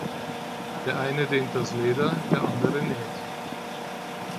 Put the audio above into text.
Der eine dehnt das Leder, der andere näht.